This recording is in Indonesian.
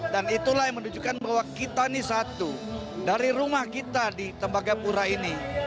dan itulah yang menunjukkan bahwa kita ini satu dari rumah kita di tembaga pura ini